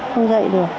không dậy được